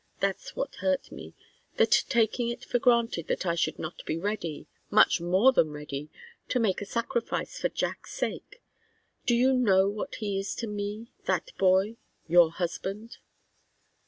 That's what hurt me, that taking it for granted that I should not be ready much more than ready to make a sacrifice for Jack's sake. Do you know what he is to me that boy your husband?"